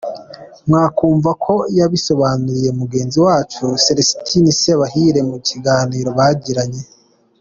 Mwakumva uko yabisobanuriye mugenzi wacu Célestin Sebahire mu kiganiro bagiranye.